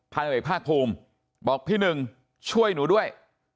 เอกภาคภูมิบอกพี่หนึ่งช่วยหนูด้วย